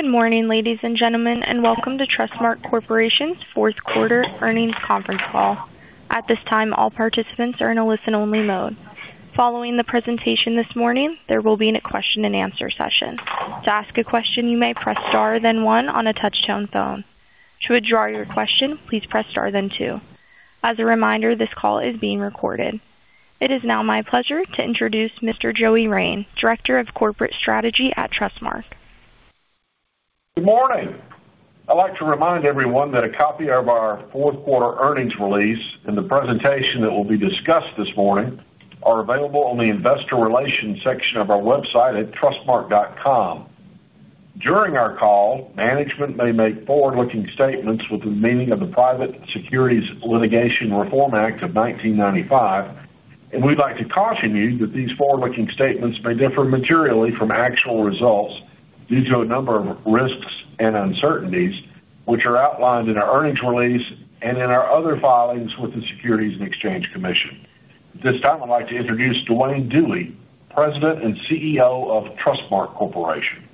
Good morning, ladies and gentlemen, and welcome to Trustmark Corporation's fourth quarter earnings conference call. At this time, all participants are in a listen-only mode. Following the presentation this morning, there will be a question and answer session. To ask a question, you may press Star, then one on a touch-tone phone. To withdraw your question, please press Star, then two. As a reminder, this call is being recorded. It is now my pleasure to introduce Mr. Joey Rein, Director of Corporate Strategy at Trustmark. Good morning! I'd like to remind everyone that a copy of our fourth quarter earnings release and the presentation that will be discussed this morning are available on the Investor Relations section of our website at trustmark.com. During our call, management may make forward-looking statements within the meaning of the Private Securities Litigation Reform Act of 1995, and we'd like to caution you that these forward-looking statements may differ materially from actual results due to a number of risks and uncertainties which are outlined in our earnings release and in our other filings with the Securities and Exchange Commission. At this time, I'd like to introduce Duane Dewey, President and CEO of Trustmark Corporation.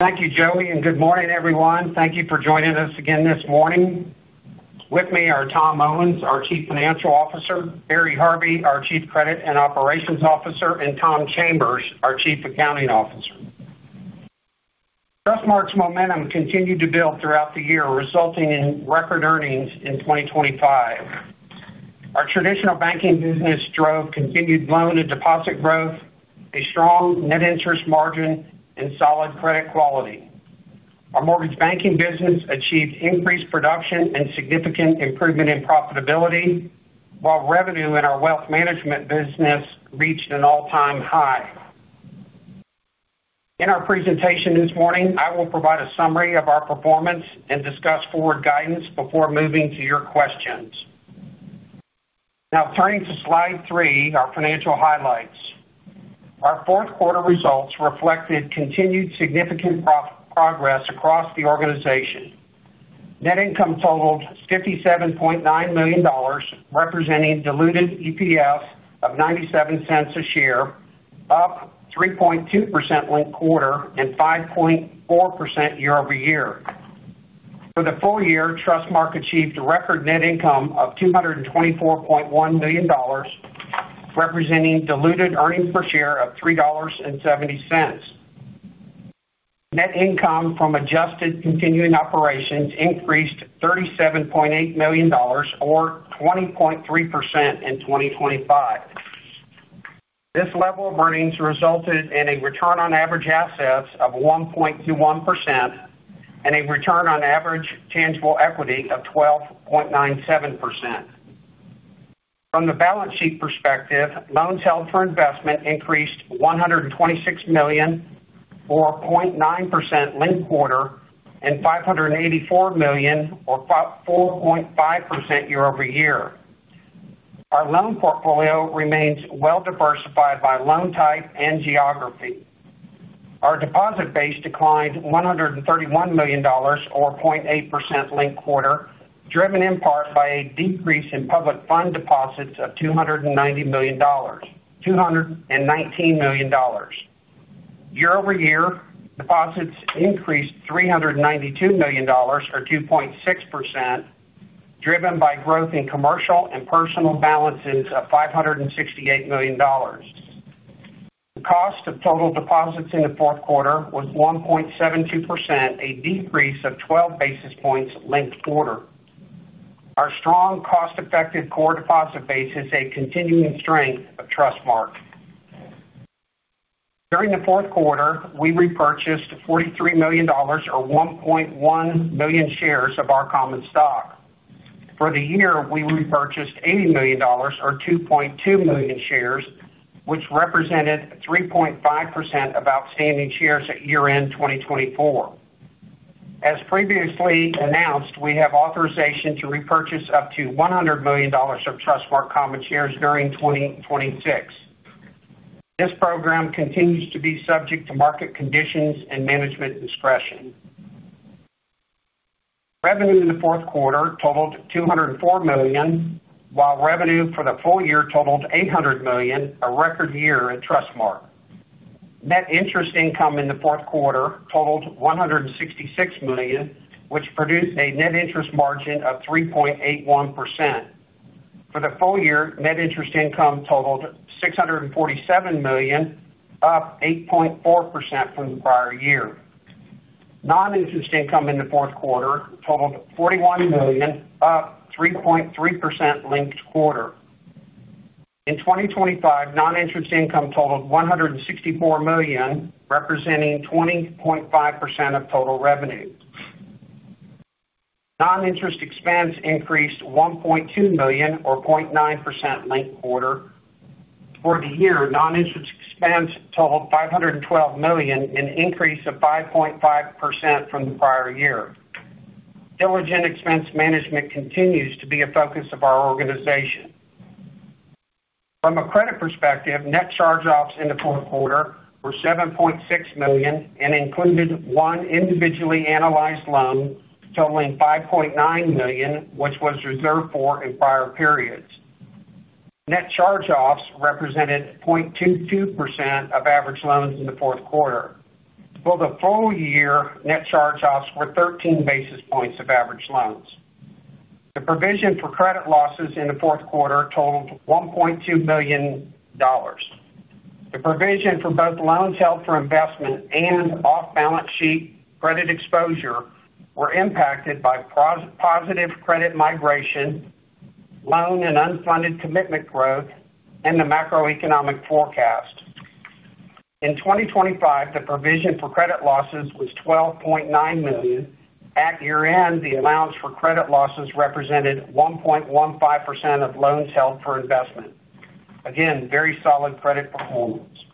Thank you, Joey, and good morning, everyone. Thank you for joining us again this morning. With me are Tom Owens, our Chief Financial Officer, Barry Harvey, our Chief Credit and Operations Officer, and Tom Chambers, our Chief Accounting Officer. Trustmark's momentum continued to build throughout the year, resulting in record earnings in 2025. Our traditional banking business drove continued loan and deposit growth, a strong net interest margin, and solid credit quality. Our mortgage banking business achieved increased production and significant improvement in profitability, while revenue in our wealth management business reached an all-time high. In our presentation this morning, I will provide a summary of our performance and discuss forward guidance before moving to your questions. Now, turning to Slide 3, our financial highlights. Our fourth quarter results reflected continued significant progress across the organization. Net income totaled $57.9 million, representing diluted EPS of $0.97 a share, up 3.2% linked-quarter and 5.4% year-over-year. For the full year, Trustmark achieved a record net income of $224.1 million, representing diluted earnings per share of $3.70. Net income from adjusted continuing operations increased $37.8 million, or 20.3% in 2025. This level of earnings resulted in a return on average assets of 1.21% and a return on average tangible equity of 12.97%. From the balance sheet perspective, loans held for investment increased $126 million, or 0.9% linked-quarter, and $584 million, or 4.5% year-over-year. Our loan portfolio remains well diversified by loan type and geography. Our deposit base declined $131 million, or 0.8% linked quarter, driven in part by a decrease in public fund deposits of $290 million dollars, $219 million dollars. Year-over-year, deposits increased $392 million, or 2.6%, driven by growth in commercial and personal balances of $568 million. The cost of total deposits in the fourth quarter was 1.72%, a decrease of 12 basis points linked quarter. Our strong, cost-effective core deposit base is a continuing strength of Trustmark. During the fourth quarter, we repurchased $43 million, or 1.1 million shares of our common stock. For the year, we repurchased $80 million, or 2.2 million shares, which represented 3.5% of outstanding shares at year-end 2024. As previously announced, we have authorization to repurchase up to $100 million of Trustmark common shares during 2026. This program continues to be subject to market conditions and management discretion. Revenue in the fourth quarter totaled $204 million, while revenue for the full year totaled $800 million, a record year at Trustmark. Net interest income in the fourth quarter totaled $166 million, which produced a net interest margin of 3.81%. For the full year, net interest income totaled $647 million, up 8.4% from the prior year. Non-interest income in the fourth quarter totaled $41 million, up 3.3% linked quarter. In 2025, non-interest income totaled $164 million, representing 20.5% of total revenue. Non-interest expense increased $1.2 million, or 0.9% linked quarter. For the year, non-interest expense totaled $512 million, an increase of 5.5% from the prior year. Diligent expense management continues to be a focus of our organization. From a credit perspective, net charge-offs in the fourth quarter were $7.6 million and included one individually analyzed loan totaling $5.9 million, which was reserved for in prior periods. Net charge-offs represented 0.22% of average loans in the fourth quarter. For the full year, net charge-offs were thirteen basis points of average loans. The provision for credit losses in the fourth quarter totaled $1.2 billion. The provision for both loans held for investment and off-balance sheet credit exposure were impacted by positive credit migration, loan and unfunded commitment growth, and the macroeconomic forecast. In 2025, the provision for credit losses was $12.9 million. At year-end, the allowance for credit losses represented 1.15% of loans held for investment. Again, very solid credit performance.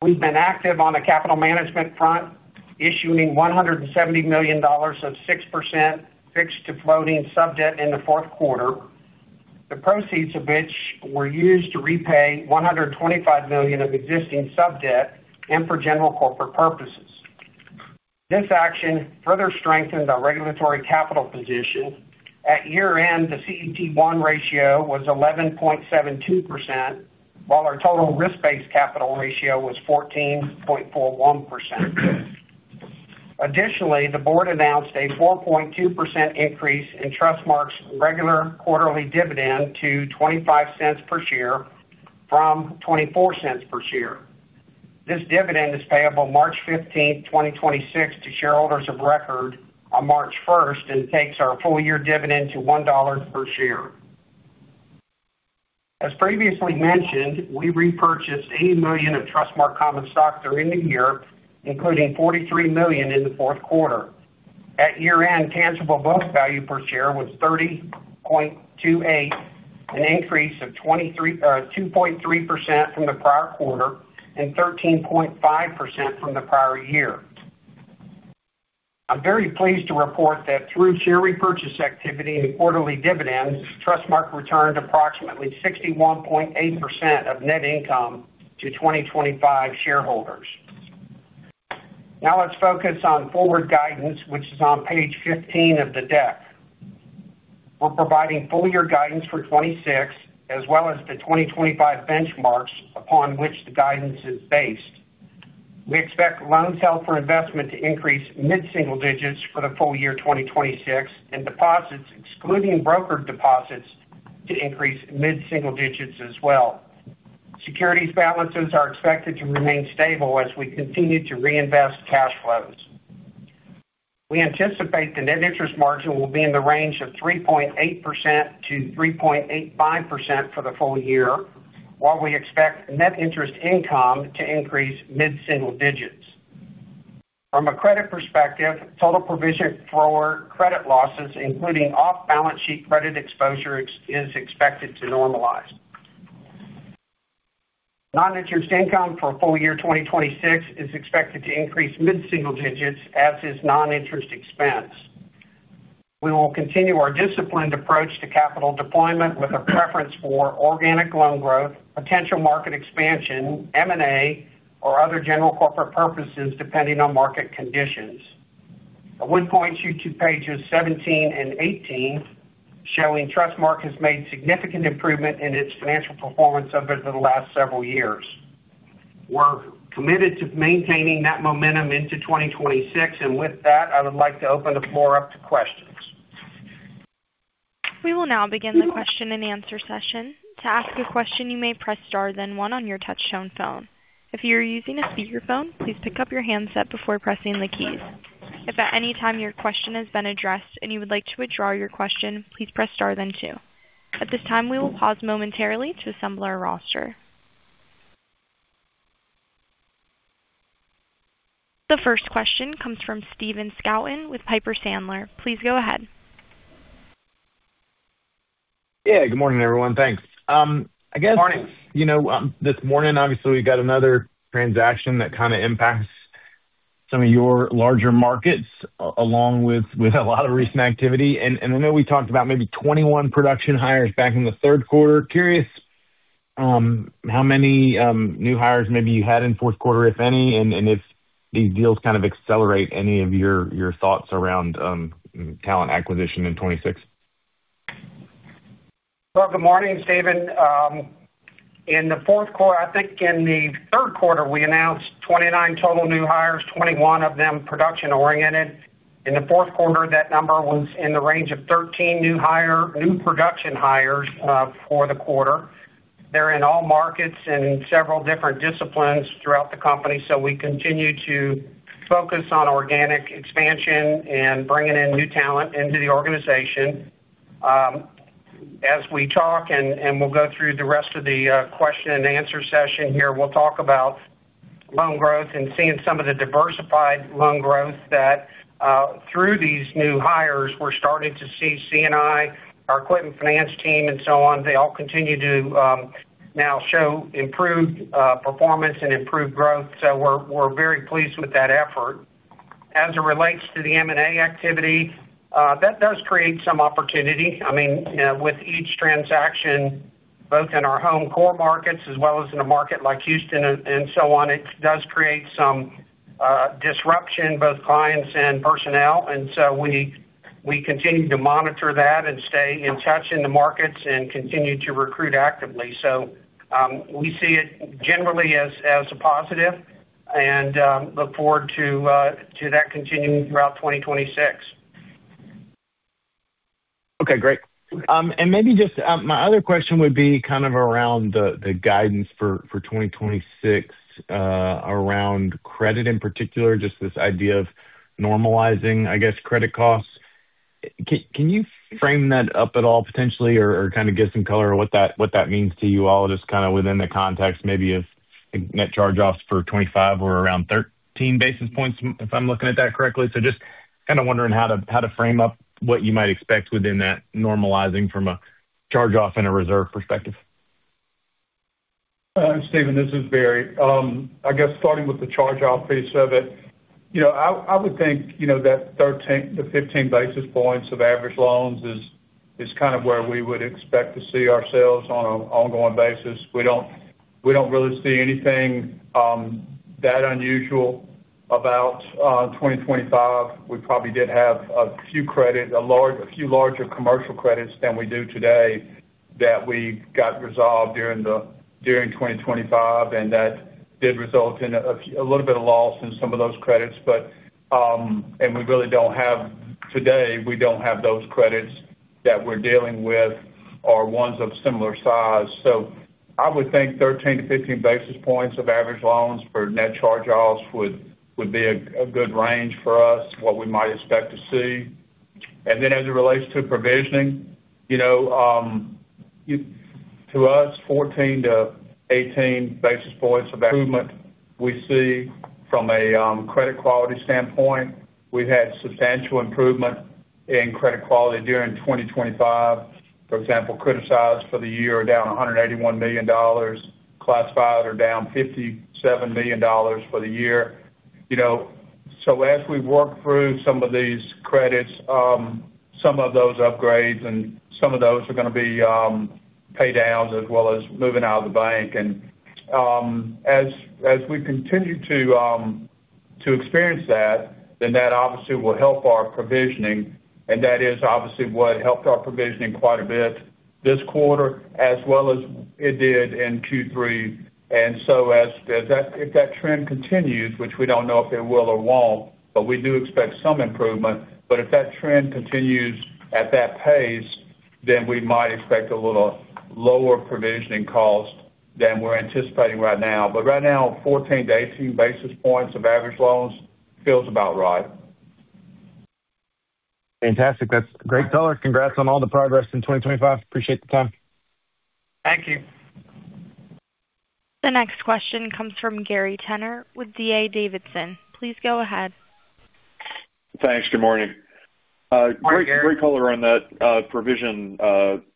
We've been active on the capital management front, issuing $170 million of 6% fixed to floating sub-debt in the fourth quarter, the proceeds of which were used to repay $125 million of existing sub-debt and for general corporate purposes. This action further strengthened our regulatory capital position. At year-end, the CET1 ratio was 11.72%, while our total risk-based capital ratio was 14.41%. Additionally, the board announced a 4.2% increase in Trustmark's regular quarterly dividend to $0.25 per share from $0.24 per share. This dividend is payable March 15, 2026, to shareholders of record on March 1, and takes our full year dividend to $1 per share. As previously mentioned, we repurchased $80 million of Trustmark common stock during the year, including $43 million in the fourth quarter. At year-end, tangible book value per share was 30.28, an increase of 2.3% from the prior quarter and 13.5% from the prior year. I'm very pleased to report that through share repurchase activity and quarterly dividends, Trustmark returned approximately 61.8% of net income to 2025 shareholders. Now let's focus on forward guidance, which is on page 15 of the deck. We're providing full year guidance for 2026, as well as the 2025 benchmarks upon which the guidance is based. We expect loans held for investment to increase mid-single digits for the full year 2026, and deposits, excluding brokered deposits, to increase mid-single digits as well. Securities balances are expected to remain stable as we continue to reinvest cash flows. We anticipate the net interest margin will be in the range of 3.8%-3.85% for the full year, while we expect net interest income to increase mid-single digits. From a credit perspective, total provision for credit losses, including off-balance sheet credit exposure, is expected to normalize. Non-interest income for full year 2026 is expected to increase mid-single digits, as is non-interest expense. We will continue our disciplined approach to capital deployment with a preference for organic loan growth, potential market expansion, M&A, or other general corporate purposes, depending on market conditions. I would point you to pages 17 and 18, showing Trustmark has made significant improvement in its financial performance over the last several years. We're committed to maintaining that momentum into 2026, and with that, I would like to open the floor up to questions. We will now begin the question-and-answer session. To ask a question, you may press star, then one on your touchtone phone. If you are using a speakerphone, please pick up your handset before pressing the keys. If at any time your question has been addressed and you would like to withdraw your question, please press star then two. At this time, we will pause momentarily to assemble our roster. The first question comes from Stephen Scouten with Piper Sandler. Please go ahead. Yeah, good morning, everyone. Thanks. I guess- Good morning. You know, this morning, obviously, we got another transaction that kind of impacts some of your larger markets, along with a lot of recent activity. And I know we talked about maybe 21 production hires back in the third quarter. Curious, how many new hires maybe you had in fourth quarter, if any, and if these deals kind of accelerate any of your thoughts around talent acquisition in 2026? Well, good morning, Steven. In the fourth quarter, I think in the third quarter, we announced 29 total new hires, 21 of them production-oriented. In the fourth quarter, that number was in the range of 13 new production hires for the quarter. They're in all markets and in several different disciplines throughout the company, so we continue to focus on organic expansion and bringing in new talent into the organization. As we talk, and we'll go through the rest of the question-and-answer session here, we'll talk about loan growth and seeing some of the diversified loan growth that through these new hires, we're starting to see C&I, our equipment finance team, and so on, they all continue to now show improved performance and improved growth. So we're very pleased with that effort. As it relates to the M&A activity, that does create some opportunity. I mean, with each transaction, both in our home core markets as well as in a market like Houston and so on, it does create some... disruption, both clients and personnel. And so we continue to monitor that and stay in touch in the markets and continue to recruit actively. So, we see it generally as a positive and look forward to that continuing throughout 2026. Okay, great. And maybe just, my other question would be kind of around the, the guidance for, for 2026, around credit in particular, just this idea of normalizing, I guess, credit costs. Can, can you frame that up at all potentially or, or kind of give some color on what that, what that means to you all, just kind of within the context, maybe if net charge-offs for 2025 were around 13 basis points, if I'm looking at that correctly? So just kind of wondering how to, how to frame up what you might expect within that normalizing from a charge-off and a reserve perspective. Steven, this is Barry. I guess starting with the charge-off piece of it, you know, I would think, you know, that 13-15 basis points of average loans is kind of where we would expect to see ourselves on an ongoing basis. We don't, we don't really see anything that unusual about 2025. We probably did have a few credits, a large, a few larger commercial credits than we do today, that we got resolved during 2025, and that did result in a little bit of loss in some of those credits. But and we really don't have today, we don't have those credits that we're dealing with or ones of similar size. So I would think 13-15 basis points of average loans for net charge-offs would be a good range for us, what we might expect to see. And then as it relates to provisioning, you know, to us, 14-18 basis points of improvement we see from a credit quality standpoint. We've had substantial improvement in credit quality during 2025. For example, criticized for the year are down $181 million, classified are down $57 million for the year. You know, so as we work through some of these credits, some of those upgrades and some of those are going to be pay downs as well as moving out of the bank. As we continue to experience that, then that obviously will help our provisioning, and that is obviously what helped our provisioning quite a bit this quarter as well as it did in Q3. And so as that—if that trend continues, which we don't know if it will or won't, but we do expect some improvement. But if that trend continues at that pace, then we might expect a little lower provisioning cost than we're anticipating right now. But right now, 14-18 basis points of average loans feels about right. Fantastic. That's great color. Congrats on all the progress in 2025. Appreciate the time. Thank you. The next question comes from Gary Tenner with D.A. Davidson. Please go ahead. Thanks. Good morning. Morning, Gary. Great, great color on that provision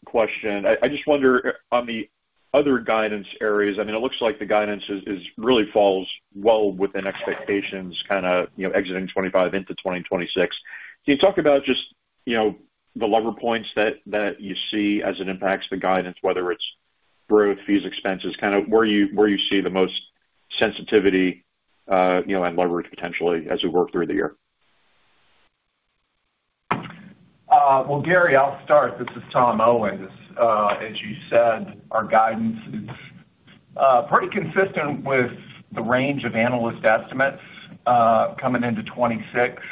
question. I just wonder on the other guidance areas. I mean, it looks like the guidance really falls well within expectations, kind of, you know, exiting 25 into 2026. Can you talk about just, you know, the lever points that you see as it impacts the guidance, whether it's growth, fees, expenses, kind of where you see the most sensitivity, you know, and leverage potentially as we work through the year? Well, Gary, I'll start. This is Tom Owens. As you said, our guidance is pretty consistent with the range of analyst estimates coming into 2026.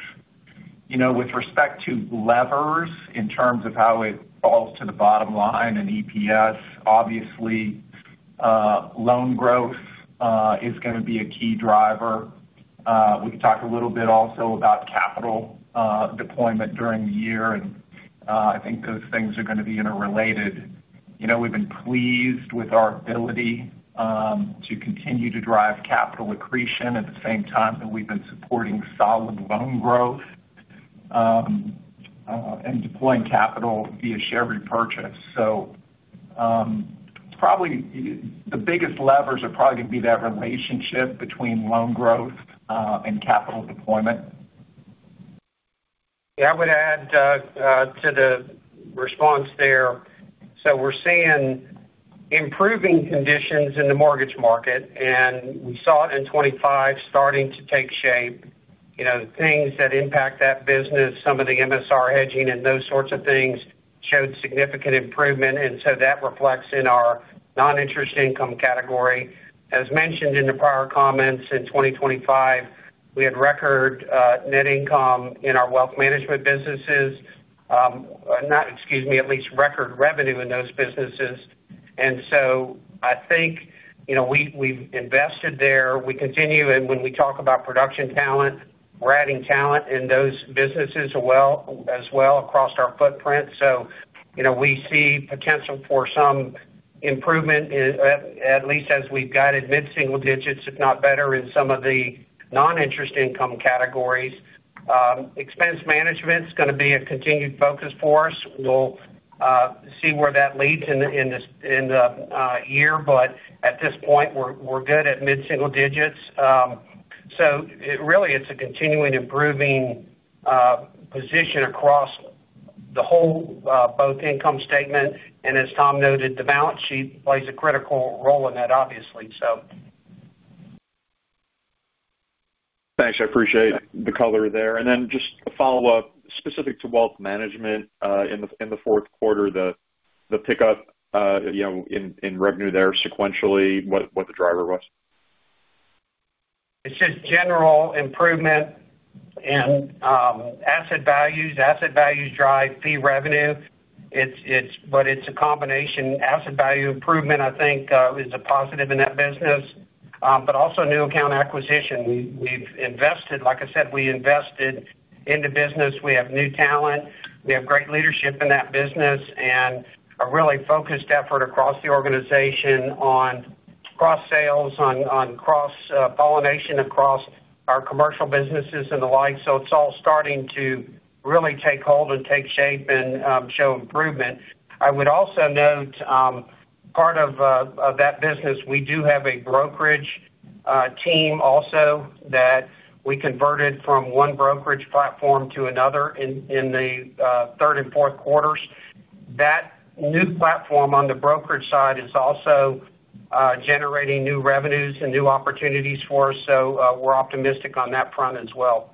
You know, with respect to levers, in terms of how it falls to the bottom line and EPS, obviously, loan growth is going to be a key driver. We can talk a little bit also about capital deployment during the year, and I think those things are going to be interrelated. You know, we've been pleased with our ability to continue to drive capital accretion at the same time that we've been supporting solid loan growth and deploying capital via share repurchase. So, probably the biggest levers are probably going to be that relationship between loan growth and capital deployment. Yeah, I would add to the response there. So we're seeing improving conditions in the mortgage market, and we saw it in 2025 starting to take shape. You know, things that impact that business, some of the MSR hedging and those sorts of things, showed significant improvement, and so that reflects in our non-interest income category. As mentioned in the prior comments, in 2025, we had record net income in our wealth management businesses. Not, excuse me, at least record revenue in those businesses. And so I think, you know, we, we've invested there. We continue, and when we talk about production talent, we're adding talent in those businesses as well across our footprint. So, you know, we see potential for some improvement, at least as we've guided mid-single digits, if not better, in some of the non-interest income categories. Expense management is going to be a continued focus for us. We'll see where that leads in this year, but at this point, we're good at mid-single digits. So it really, it's a continuing improving position across the whole both income statement, and as Tom noted, the balance sheet plays a critical role in that, obviously, so. Thanks. I appreciate the color there. And then just a follow-up, specific to wealth management, in the fourth quarter, the pickup, you know, in revenue there sequentially, what the driver was? It's just general improvement in asset values. Asset values drive fee revenue. But it's a combination. Asset value improvement, I think, is a positive in that business, but also new account acquisition. We, we've invested, like I said, we invested in the business. We have new talent, we have great leadership in that business, and a really focused effort across the organization on cross sales, on cross pollination across our commercial businesses and the like. So it's all starting to really take hold and take shape and show improvement. I would also note, part of that business, we do have a brokerage team also that we converted from one brokerage platform to another in the third and fourth quarters. That new platform on the brokerage side is also generating new revenues and new opportunities for us, so we're optimistic on that front as well.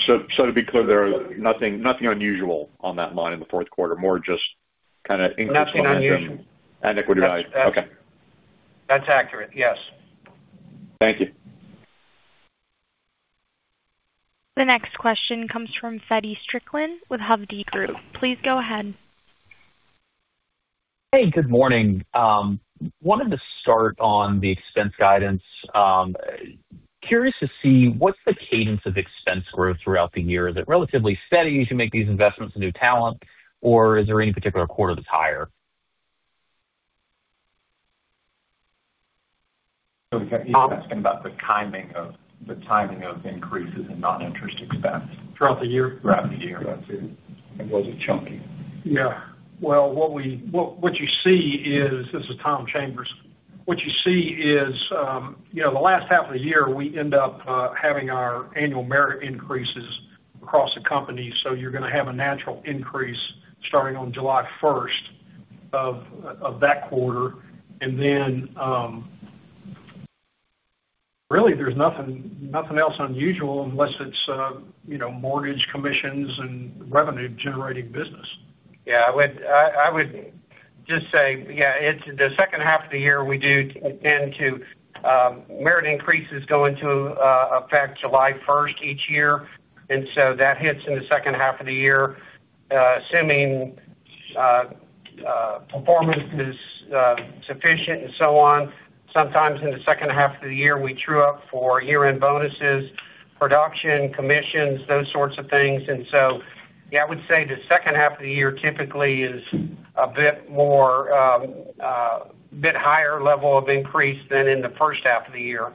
So, to be clear, there are nothing unusual on that line in the fourth quarter, more just kind of increase- Nothing unusual. And equity value. Okay. That's accurate, yes. Thank you. The next question comes from Feddie Strickland with Hovde Group. Please go ahead. Hey, good morning. Wanted to start on the expense guidance. Curious to see what's the cadence of expense growth throughout the year? Is it relatively steady as you make these investments in new talent, or is there any particular quarter that's higher? He's asking about the timing of increases in non-interest expense. Throughout the year? Throughout the year, and was it chunky? Yeah. Well, what you see is. This is Tom Chambers. What you see is, you know, the last half of the year, we end up having our annual merit increases across the company. So you're gonna have a natural increase starting on July 1st of that quarter. And then, really, there's nothing else unusual unless it's, you know, mortgage commissions and revenue-generating business. Yeah, I would just say, yeah, it's the second half of the year, we do tend to merit increases go into effect July 1st each year, and so that hits in the second half of the year. Assuming performance is sufficient and so on, sometimes in the second half of the year, we true up for year-end bonuses, production, commissions, those sorts of things. So, yeah, I would say the second half of the year typically is a bit more, a bit higher level of increase than in the first half of the year.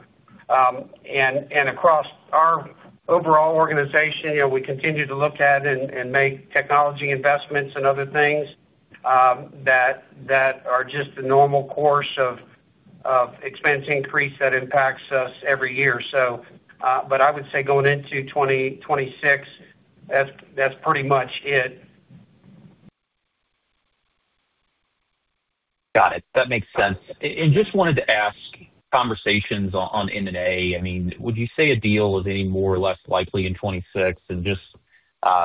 And across our overall organization, you know, we continue to look at and make technology investments and other things that are just the normal course of expense increase that impacts us every year. But I would say going into 2026, that's pretty much it. Got it. That makes sense. And just wanted to ask conversations on M&A. I mean, would you say a deal is any more or less likely in 2026? And just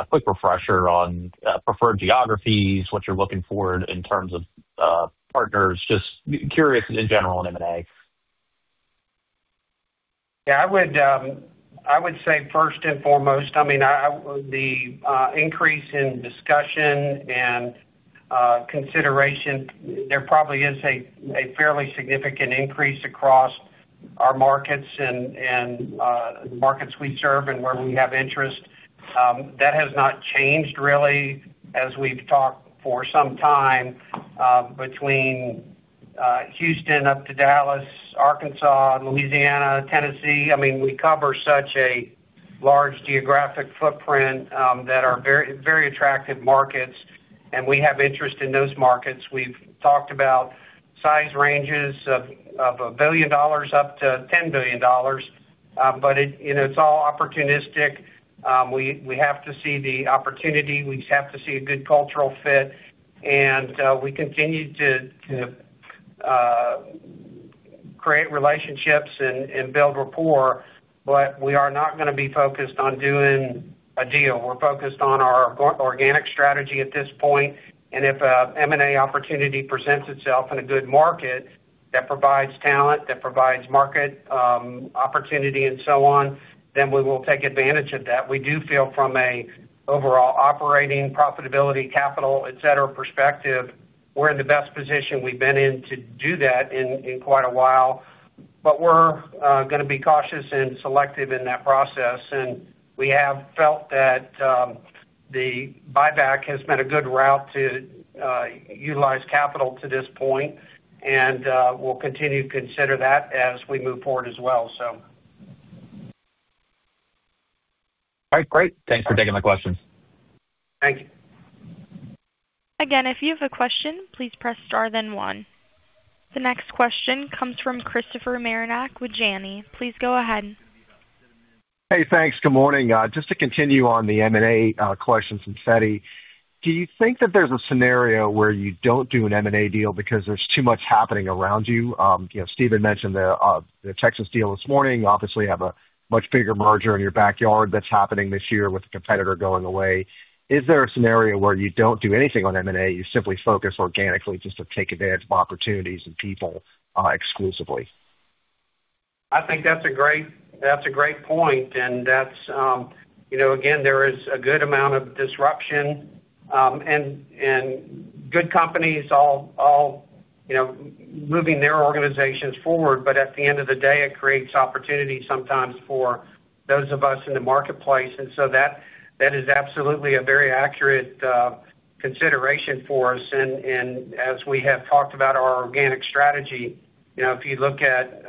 quick refresher on preferred geographies, what you're looking for in terms of partners. Just curious in general on M&A. Yeah, I would, I would say first and foremost, I mean, the increase in discussion and consideration, there probably is a fairly significant increase across our markets and markets we serve and where we have interest. That has not changed really, as we've talked for some time, between Houston up to Dallas, Arkansas, Louisiana, Tennessee. I mean, we cover such a large geographic footprint that are very, very attractive markets, and we have interest in those markets. We've talked about size ranges of $1 billion-$10 billion, but you know, it's all opportunistic. We have to see the opportunity, we have to see a good cultural fit, and we continue to create relationships and build rapport, but we are not gonna be focused on doing a deal. We're focused on our organic strategy at this point, and if a M&A opportunity presents itself in a good market that provides talent, that provides market opportunity, and so on, then we will take advantage of that. We do feel from a overall operating, profitability, capital, et cetera, perspective, we're in the best position we've been in to do that in quite a while, but we're gonna be cautious and selective in that process. We have felt that the buyback has been a good route to utilize capital to this point, and we'll continue to consider that as we move forward as well, so. All right, great. Thanks for taking my questions. Thank you. ...Again, if you have a question, please press star, then one. The next question comes from Christopher Marinac with Janney. Please go ahead. Hey, thanks. Good morning. Just to continue on the M&A, question from Feddie, do you think that there's a scenario where you don't do an M&A deal because there's too much happening around you? You know, Steven mentioned the Texas deal this morning. You obviously have a much bigger merger in your backyard that's happening this year with a competitor going away. Is there a scenario where you don't do anything on M&A, you simply focus organically just to take advantage of opportunities and people, exclusively? I think that's a great, that's a great point, and that's, you know, again, there is a good amount of disruption, and, and good companies all, all, you know, moving their organizations forward, but at the end of the day, it creates opportunity sometimes for those of us in the marketplace. And so that, that is absolutely a very accurate, consideration for us. And, and as we have talked about our organic strategy, you know, if you look at,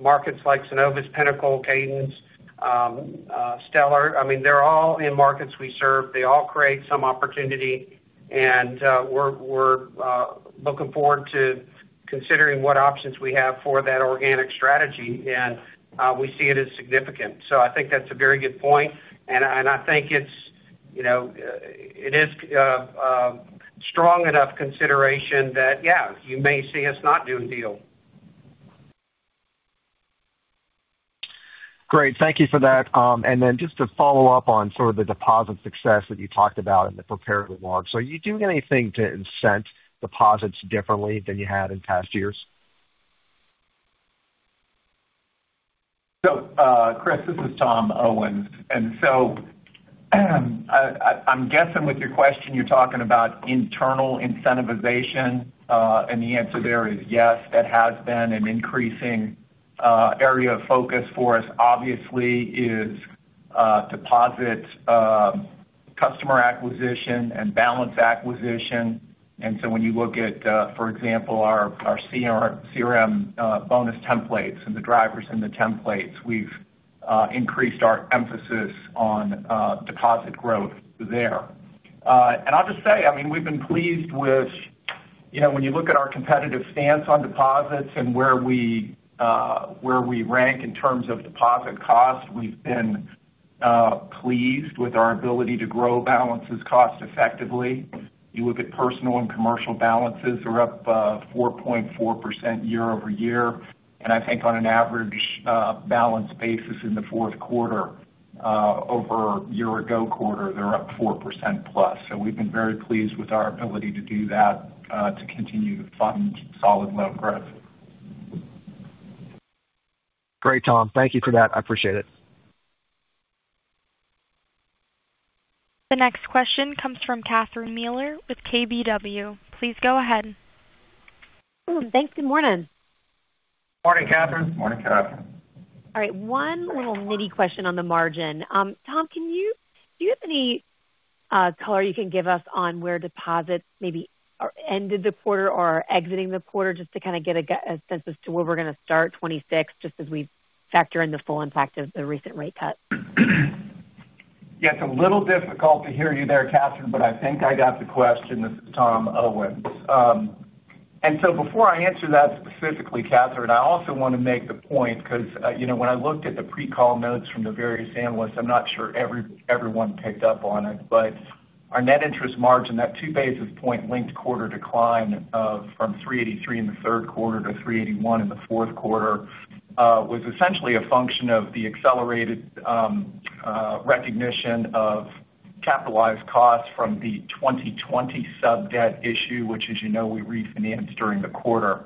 markets like Synovus, Pinnacle, Cadence, Stellar, I mean, they're all in markets we serve. They all create some opportunity, and, we're, we're, looking forward to considering what options we have for that organic strategy, and, we see it as significant. I think that's a very good point, and I think it's, you know, it is strong enough consideration that, yeah, you may see us not do a deal. Great. Thank you for that. Just to follow up on sort of the deposit success that you talked about in the prepared remarks. Are you doing anything to incent deposits differently than you had in past years? So, Chris, this is Tom Owens, and so, I, I'm guessing with your question, you're talking about internal incentivization, and the answer there is yes, that has been an increasing area of focus for us, obviously, is, deposits, customer acquisition and balance acquisition. And so when you look at, for example, our, our CRM, bonus templates and the drivers in the templates, we've, increased our emphasis on, deposit growth there. And I'll just say, I mean, we've been pleased with, you know, when you look at our competitive stance on deposits and where we, where we rank in terms of deposit costs, we've been, pleased with our ability to grow balances cost effectively. You look at personal and commercial balances are up 4.4% year-over-year, and I think on an average balance basis in the fourth quarter over a year ago quarter, they're up 4% plus. So we've been very pleased with our ability to do that, to continue to fund solid loan growth. Great, Tom. Thank you for that. I appreciate it. The next question comes from Catherine Mealor with KBW. Please go ahead. Thanks. Good morning. Morning, Katherine. Morning, Katherine. All right. One little nitty question on the margin. Tom, can you- do you have any color you can give us on where deposits maybe are ended the quarter or are exiting the quarter, just to kind of get a sense as to where we're going to start 2026, just as we factor in the full impact of the recent rate cut? Yeah, it's a little difficult to hear you there, Catherine, but I think I got the question. This is Tom Owens. And so before I answer that specifically, Catherine, I also want to make the point because, you know, when I looked at the pre-call notes from the various analysts, I'm not sure everyone picked up on it, but our net interest margin, that 2 basis point linked quarter decline, from 383 in the third quarter to 381 in the fourth quarter, was essentially a function of the accelerated recognition of capitalized costs from the 2020 sub-debt issue, which, as you know, we refinanced during the quarter.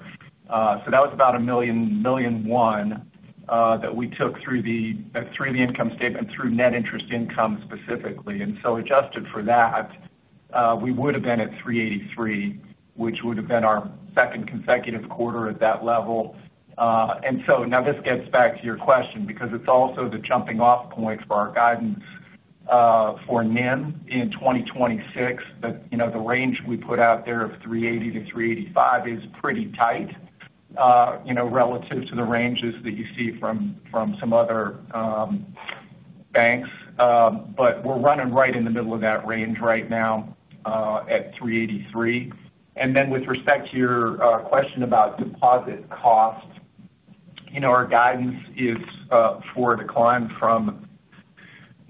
So that was about $1 million, $1.1 million, that we took through the income statement, through net interest income, specifically. And so adjusted for that, we would have been at 3.83%, which would have been our second consecutive quarter at that level. And so now this gets back to your question because it's also the jumping-off point for our guidance for NIM in 2026. But, you know, the range we put out there of 3.80%-3.85% is pretty tight, you know, relative to the ranges that you see from some other banks. But we're running right in the middle of that range right now, at 3.83%. And then with respect to your question about deposit cost, you know, our guidance is for a decline from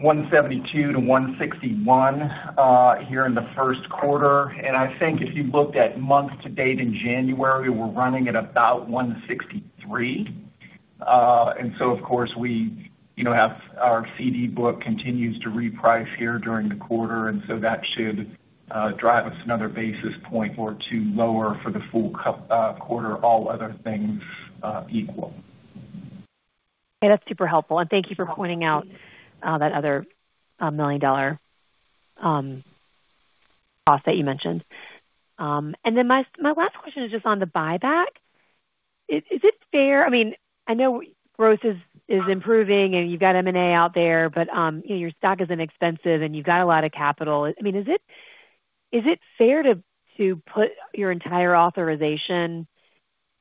1.72% to 1.61%, here in the first quarter. And I think if you looked at month-to-date in January, we're running at about 1.63%. And so of course, we, you know, have our CD book continues to reprice here during the quarter, and so that should drive us another basis point or two lower for the full quarter, all other things equal. Yeah, that's super helpful. And thank you for pointing out that other million-dollar cost that you mentioned. And then my last question is just on the buyback. Is it fair—I mean, I know growth is improving and you've got M&A out there, but your stock isn't expensive and you've got a lot of capital. I mean, is it fair to put your entire authorization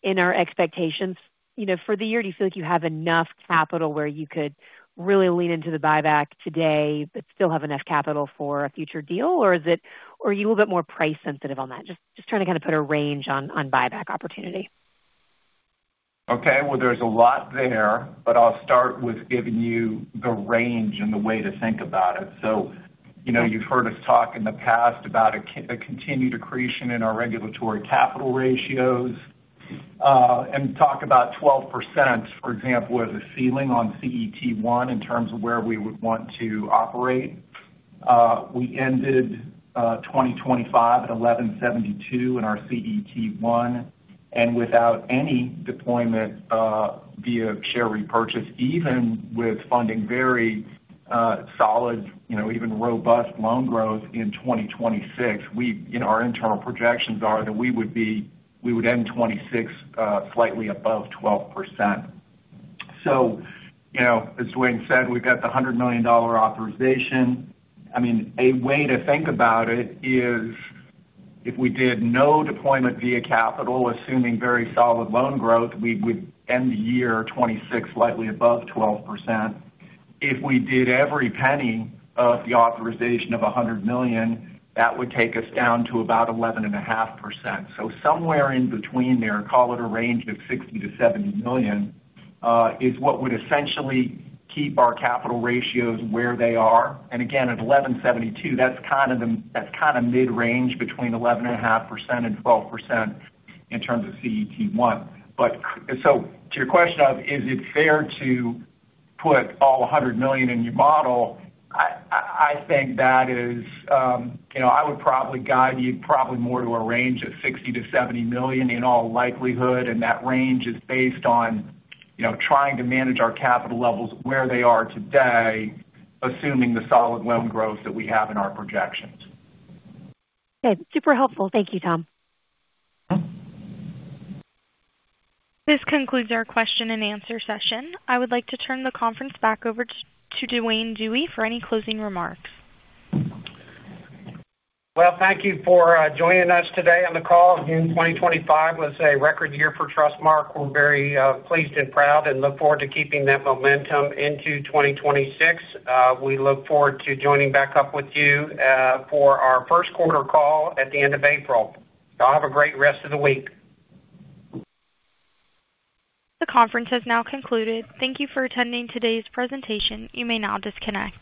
in our expectations, you know, for the year? Do you feel like you have enough capital where you could really lean into the buyback today, but still have enough capital for a future deal? Or are you a little bit more price sensitive on that? Just trying to kind of put a range on buyback opportunity. Okay, well, there's a lot there, but I'll start with giving you the range and the way to think about it. So, you know, you've heard us talk in the past about a continued accretion in our regulatory capital ratios, and talk about 12%, for example, as a ceiling on CET1 in terms of where we would want to operate. We ended 2025 at 11.72% in our CET1, and without any deployment via share repurchase, even with funding very solid, you know, even robust loan growth in 2026, you know, our internal projections are that we would end 2026 slightly above 12%. So, you know, as Duane said, we've got the $100 million authorization. I mean, a way to think about it is if we did no deployment via capital, assuming very solid loan growth, we would end the year 2026 slightly above 12%. If we did every penny of the authorization of $100 million, that would take us down to about 11.5%. So somewhere in between there, call it a range of $60 million-$70 million, is what would essentially keep our capital ratios where they are. And again, at 11.72%, that's kind of the, that's kind of mid-range between 11.5% and 12% in terms of CET1. But so to your question of is it fair to put all $100 million in your model? I think that is, you know, I would probably guide you probably more to a range of $60 million-$70 million in all likelihood, and that range is based on, you know, trying to manage our capital levels where they are today, assuming the solid loan growth that we have in our projections. Good. Super helpful. Thank you, Tom. This concludes our question-and-answer session. I would like to turn the conference back over to Duane Dewey for any closing remarks. Well, thank you for joining us today on the call. 2025 was a record year for Trustmark. We're very pleased and proud and look forward to keeping that momentum into 2026. We look forward to joining back up with you for our first quarter call at the end of April. Y'all have a great rest of the week. The conference has now concluded. Thank you for attending today's presentation. You may now disconnect.